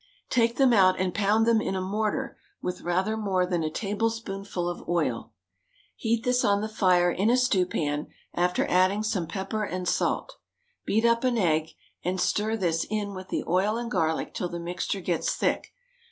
Take them out and pound them in a mortar with rather more than a tablespoonful of oil; heat this on the fire in a stew pan, after adding some pepper and salt. Beat up an egg, and stir this in with the oil and garlic till the mixture gets thick.